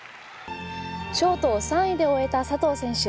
ショートを３位で終えた佐藤選手。